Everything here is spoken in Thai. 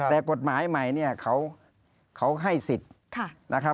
แต่กฎหมายใหม่เขาให้สิทธิ์